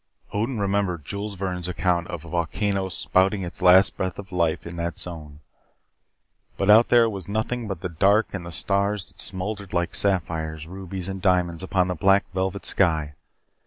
Odin remembered Jules Verne's account of a volcano spouting its last breath of life in that zone, but out there was nothing but the dark and the stars that smoldered like sapphires, rubies, and diamonds upon a black velvet sky.